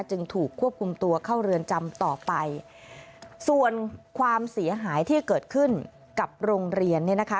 จึงถูกควบคุมตัวเข้าเรือนจำต่อไปส่วนความเสียหายที่เกิดขึ้นกับโรงเรียนเนี่ยนะคะ